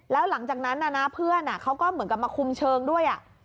แล้วหลังจากนั้นเพื่อนเขาก็เหมือนกับมาคุมเชิงด้วย